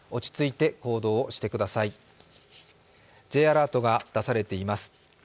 Ｊアラートが出されています。